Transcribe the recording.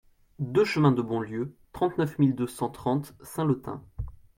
deux chemin de Bonlieu, trente-neuf mille deux cent trente Saint-Lothain